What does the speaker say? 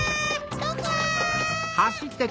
どこ？